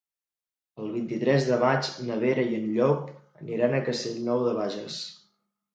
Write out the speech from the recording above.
El vint-i-tres de maig na Vera i en Llop aniran a Castellnou de Bages.